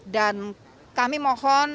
dan kami mohon